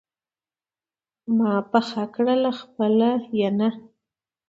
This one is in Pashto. ما پخه کړه خپله ينه